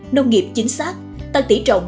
nông nghiệp chính xác tăng tỉ trọng